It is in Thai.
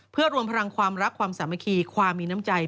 เพื่อรวมพลังความรักความสามัคคีความมีน้ำใจ